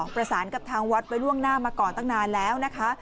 ประสานกับทางวัดไว้ล่วงหน้ามาก่อนตั้งนานแล้วนะคะ